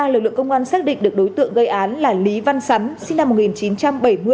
lực lượng công an xác định được đối tượng gây án là lý văn sắn sinh năm một nghìn chín trăm bảy mươi